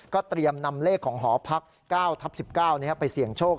เตรียมนำเลขของหอพัก๙ทับ๑๙ไปเสี่ยงโชค